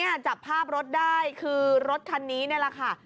จับภาพรถได้คือรถคันนี้นี่แหละค่ะ